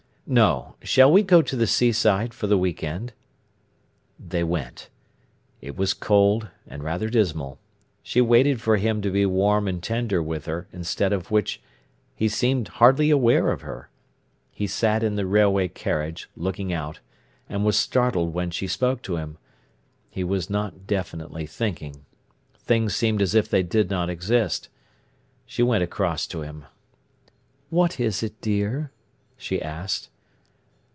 "No. Shall we go to the seaside for the week end?" They went. It was cold and rather dismal. She waited for him to be warm and tender with her, instead of which he seemed hardly aware of her. He sat in the railway carriage, looking out, and was startled when she spoke to him. He was not definitely thinking. Things seemed as if they did not exist. She went across to him. "What is it dear?" she asked.